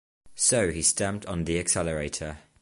So he stamped on the accelerator.